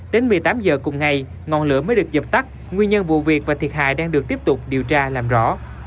đến một mươi tám h cùng ngày ngọn lửa mới được dập tắt nguyên nhân vụ việc và thiệt hại đang được tiếp tục điều tra làm rõ